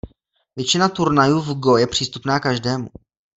Většina turnajů v go je přístupná každému.